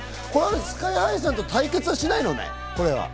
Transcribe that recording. ＳＫＹ−ＨＩさんと対決はしないのね？